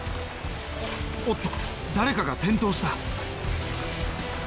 おっと誰かが転倒した。